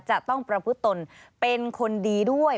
จะต้องประพฤติตนเป็นคนดีด้วย